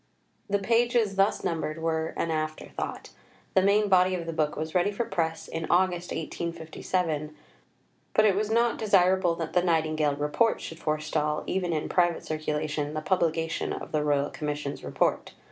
The pages thus numbered were an after thought. The main body of the book was ready for press in August 1857, but it was not desirable that the Nightingale Report should forestall, even in private circulation, the publication of the Royal Commission's Report.